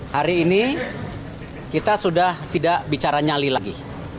hari ini kita sudah tidak bicara nyali lagi